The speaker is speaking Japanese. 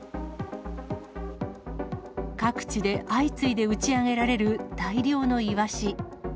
各地で相次いで打ち上げられる大量のイワシ。